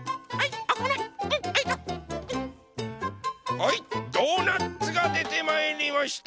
はいドーナツがでてまいりました！